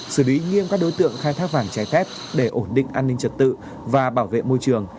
xử lý nghiêm các đối tượng khai thác vàng trái phép để ổn định an ninh trật tự và bảo vệ môi trường